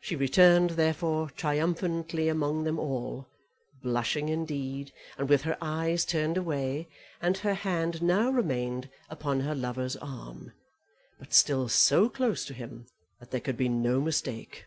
She returned therefore triumphantly among them all, blushing indeed, and with her eyes turned away, and her hand now remained upon her lover's arm; but still so close to him that there could be no mistake.